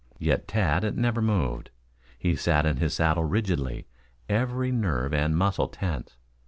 Yet Tad never moved. He sat in his saddle rigidly, every nerve and muscle tense.